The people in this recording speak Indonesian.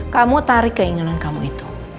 kamu tarik keinginan kamu itu